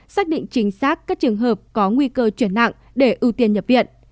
xác định chính xác các trường hợp có nguy cơ chuyển nặng để ưu tiên nhập viện